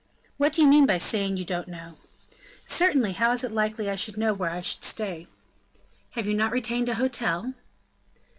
"What do you mean by saying you don't know?" "Certainly, how is it likely I should know where I should stay?" "Have you not retained an hotel?"